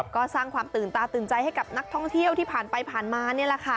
ก็สร้างความตื่นตาตื่นใจให้กับนักท่องเที่ยวที่ผ่านไปผ่านมา